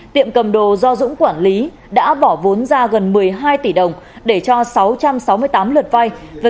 tiệm cầm đồ do dũng quản lý đã bỏ vốn ra gần một mươi hai tỷ đồng để cho sáu trăm sáu mươi tám lượt vay